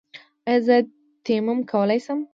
ایا زه تیمم کولی شم؟